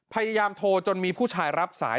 พยายามโทรจนมีผู้ชายรับสาย